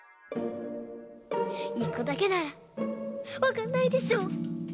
１こだけならわかんないでしょ！